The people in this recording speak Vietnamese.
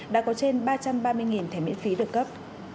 đã có trên ba trăm ba mươi thẻ miễn phí được cấp